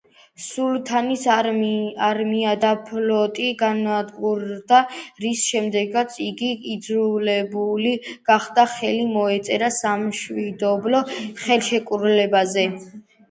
სულთანის არმია და ფლოტი განადგურდა, რის შემდეგაც იგი იძულებული გახდა ხელი მოეწერა სამშვიდობო ხელშეკრულებაზე.